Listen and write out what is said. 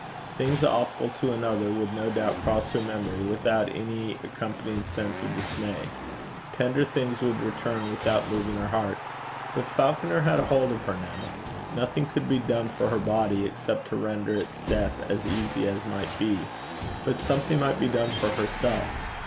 Things awful to another would no doubt cross her memory without any accompanying sense of dismay; tender things would return without moving her heart; but Falconer had a hold of her now. Nothing could be done for her body except to render its death as easy as might be; but something might be done for herself.